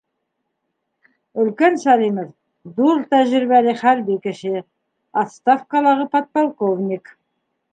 Өлкән Сәлимов — ҙур тәжрибәле хәрби кеше, отставкалағы подполковник.